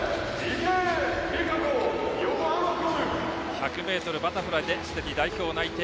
１００ｍバタフライですでに代表内定。